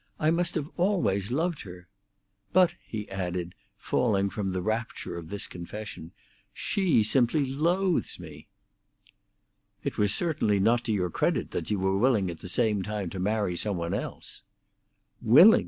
I must have always loved her! But," he added, falling from the rapture of this confession, "she simply loathes me!" "It was certainly not to your credit that you were willing at the same time to marry some one else." "Willing!